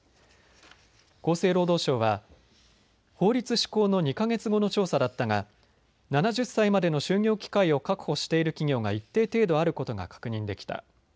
厚生労働省は法律施行の２か月後の調査だったが７０歳までの就業機会を確保している企業が一定程度あることが確認できた。